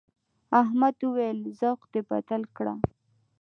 احمد وويل: ذوق دې بدل کړه.